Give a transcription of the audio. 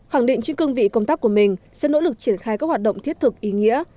khẳng định trên cương vị công tác của mình sẽ nỗ lực triển khai các hoạt động thiết thực ý nghĩa